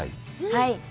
はい。